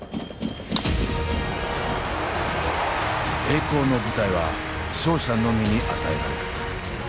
栄光の舞台は勝者のみに与えられる。